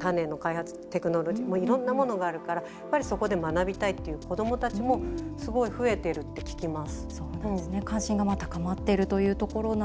種の開発、テクノロジーいろんなものがあるからそこで学びたいっていう子どもたちもどうでしょう、安藤さん。